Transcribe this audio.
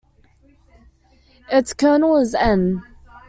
Its kernel is "N".